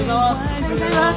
おはようございます。